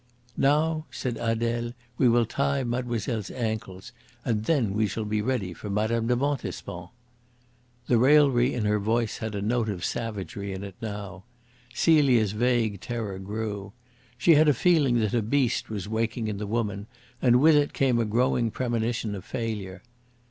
"Now," said Adele, "we will tie mademoiselle's ankles, and then we shall be ready for Mme. de Montespan." The raillery in her voice had a note of savagery in it now. Celia's vague terror grew. She had a feeling that a beast was waking in the woman, and with it came a growing premonition of failure.